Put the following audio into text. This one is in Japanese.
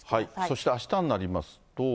そしてあしたになりますと。